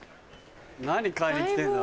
何買いに来てんだ？